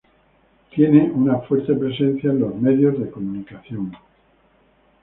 Tiene una fuerte presencia en los medios de comunicación.